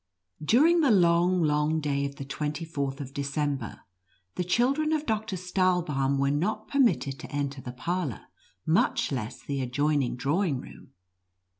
Dueing> the long, long clay of the twenty fourth of December, the children of Doctor Stahlbaum were not permitted to enter the par lor, much less the adjoining drawing room.